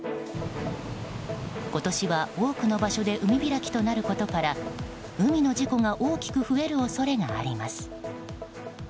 今年は多くの場所で海開きとなることから海の事故が大きく増える恐れがあります。